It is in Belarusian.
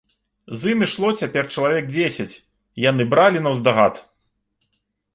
З ім ішло цяпер чалавек дзесяць, яны бралі наўздагад.